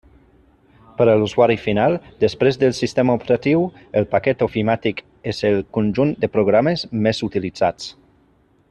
Per a l'usuari final, després del sistema operatiu, el paquet ofimàtic és el conjunt de programes més utilitzats.